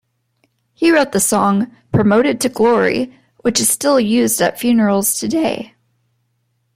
He wrote the song "Promoted to Glory" which is still used at funerals today.